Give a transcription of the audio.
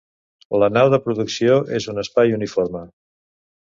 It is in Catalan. La nau de producció és un espai uniforme.